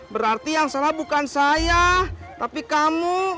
berarti yang salah bukan saya tapi kamu